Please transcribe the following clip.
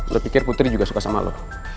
lo pikir putri juga suka sama lo